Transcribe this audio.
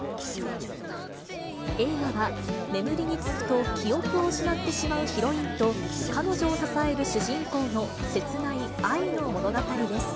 映画は、眠りにつくと記憶を失ってしまうヒロインと彼女を支える主人公の切ない愛の物語です。